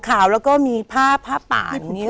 ขาวแล้วก็มีผ้าผ้าป่าอย่างนี้